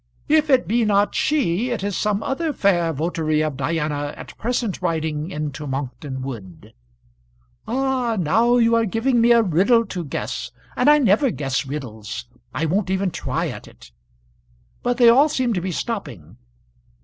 "If it be not she, it is some other fair votary of Diana at present riding into Monkton Wood." "Ah, now you are giving me a riddle to guess, and I never guess riddles. I won't even try at it. But they all seem to be stopping."